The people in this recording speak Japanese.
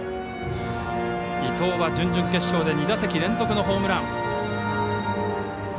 伊藤は準々決勝で２打席連続のホームラン。